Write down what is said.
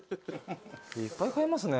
いっぱい買いますね。